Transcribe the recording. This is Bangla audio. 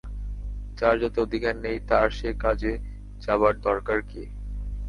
যার যাতে অধিকার নেই তার সে কাজে যাবার দরকার কী!